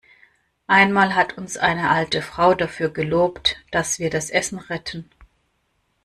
Einmal hat uns eine alte Frau dafür gelobt, dass wir das Essen retten.